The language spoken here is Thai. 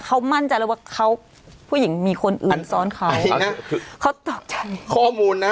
เขามั่นจังแล้วว่าเขาผู้หญิงมีคนอื่นซ้อนเขาเขาตอบที่ช่วยข้อมูลนะ